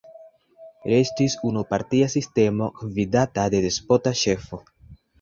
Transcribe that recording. Restis unupartia sistemo gvidata de despota ĉefo.